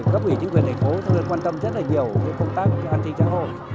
các vị chính quyền thành phố quan tâm rất nhiều công tác an tinh trang hồn